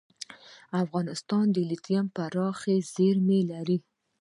افغانستان د لیتیم پراخې زیرمې لري.